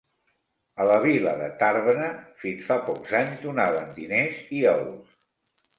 A la vila de Tàrbena, fins fa pocs anys, donaven diners i ous.